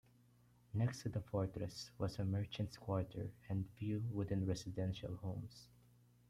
Next to the fortress was a merchants' quarter and few wooden residential homes.